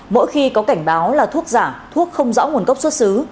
mỗi khi có cảnh báo là thuốc giả thuốc không rõ nguồn gốc xuất xứ